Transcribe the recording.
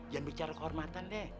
jangan bicara kehormatan deh